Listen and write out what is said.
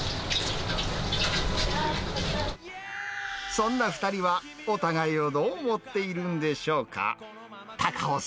そんな２人は、お互いをどう思っているんでしょうか。